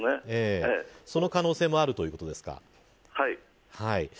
その可能性もあるということですかね。